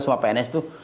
sumpah pns itu